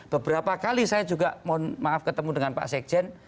beberapa kali saya juga mohon maaf ketemu dengan pak sekjen